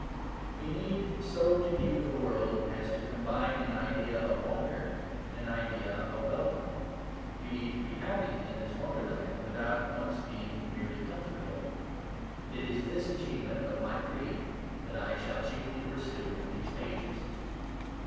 We need so to view the world as to combine an idea of wonder and an idea of welcome. We need to be happy in this wonderland without once being merely comfortable. It is THIS achievement of my creed that I shall chiefly pursue in these pages.